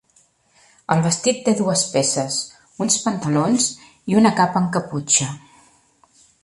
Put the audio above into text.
El vestit té dues peces: uns pantalons i una capa amb caputxa.